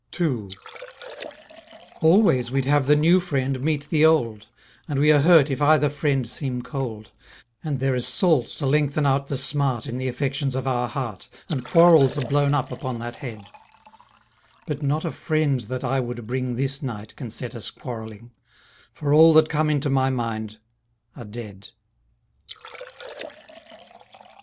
2 Always we'd have the new friend meet the old, And we are hurt if either friend seem cold, And there is salt to lengthen out the smart In the affections of our heart, And quarrels are blown up upon that head; But not a friend that I would bring This night can set us quarrelling, For all that come into my mind are dead.